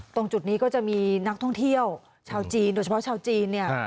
ตรงจุดนี้ก็จะมีนักท่องเที่ยวชาวจีนโดยเฉพาะชาวจีนเนี่ย